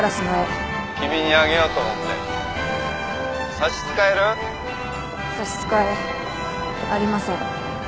差し支えありません。